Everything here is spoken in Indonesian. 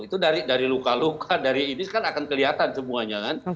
itu dari luka luka dari ini kan akan kelihatan semuanya kan